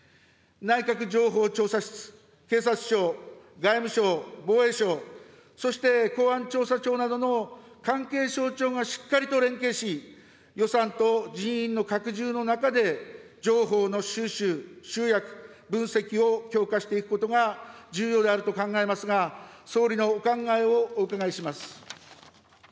内閣情報調査室、警察庁、外務省、防衛省、そして公安調査庁などの関係省庁がしっかりと連携し、予算と人員の拡充の中で、情報の収集・集約・分析を強化していくことが重要であると考えますが、総理のお考えをお伺いします。